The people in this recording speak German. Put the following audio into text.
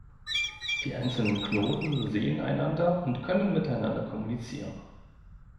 Die einzelnen Knoten sehen einander und können miteinander kommunizieren.